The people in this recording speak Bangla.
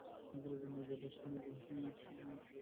নিজের ভাষায় ম্যাগাজিনে লেখা দেওয়ার মতো সদস্য খুঁজে পাওয়া গেল না।